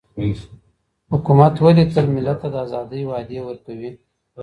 حکومت ولي تل ملت ته د آزادۍ وعدې ورکوي؟